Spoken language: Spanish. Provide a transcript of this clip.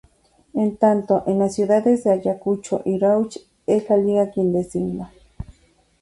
En tanto, en las ciudades de Ayacucho y Rauch, es la Liga quien designa.